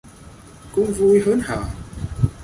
Cũng vui hớn hở